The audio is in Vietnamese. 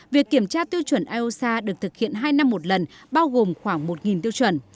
việc kiểm tra tiêu chuẩn iosa được thực hiện hai năm một lần bao gồm khoảng một tiêu chuẩn